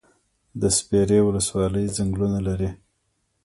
د سپیرې ولسوالۍ ځنګلونه لري